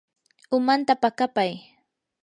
umanta paqapay.